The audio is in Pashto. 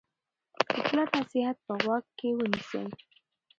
د پلار نصیحت په غوږ کې ونیسئ.